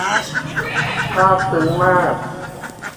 ซาบซึ้งมาก